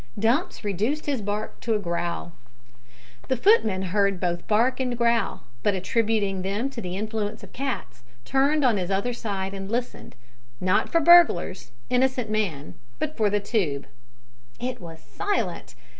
Dumps reduced his bark to a growl. The footman heard both bark and growl, but, attributing them to the influence of cats, turned on his other side and listened not for burglars, innocent man, but for the tube. It was silent!